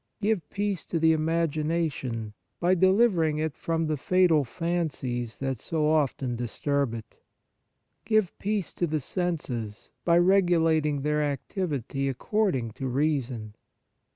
Give peace to the imagi nation, by delivering it from the fatal 148 The Fruits of Piety fancies that so often disturb it. Give peace to the senses, by regulating their activity according to reason.